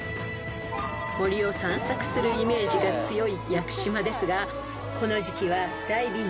［森を散策するイメージが強い屋久島ですがこの時季は］